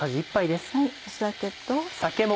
酒と。